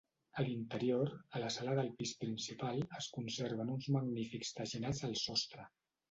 A l'interior, a la sala del pis principal, es conserven uns magnífics teginats al sostre.